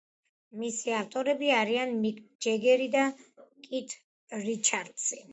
მისი ავტორები არიან მიკ ჯეგერი და კით რიჩარდსი.